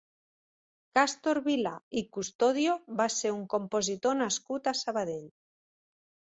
Càstor Vilà i Custodio va ser un compositor nascut a Sabadell.